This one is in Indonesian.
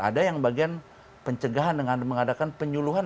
ada yang bagian pencegahan dengan mengadakan penyuluhan